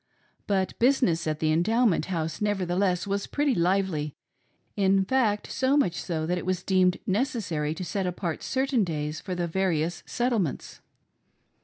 But business at the Endowment House nevertheless was pretty lively ; in fact so much so that it was deemed necessary to set apart certairi days for the various Settlements.